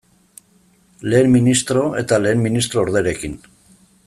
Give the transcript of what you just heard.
Lehen ministro eta lehen ministro orderekin.